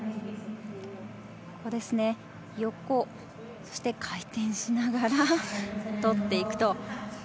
横、そして回転しながら取っていく。